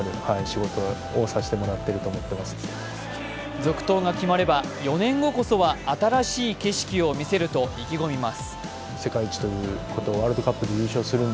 続投が決まれば４年後こそは新しい景色を見せると意気込みます。